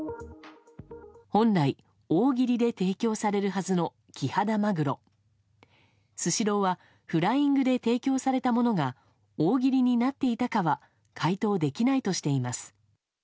本来、大切りで提供されるはずのキハダマグロスシローはフライングで提供されたものが大切りになっていたかは回答できないとしています。